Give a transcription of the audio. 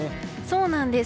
そうなんです。